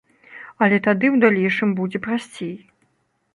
Але тады ў далейшым будзе прасцей.